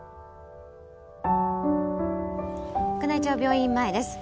宮内庁病院前です。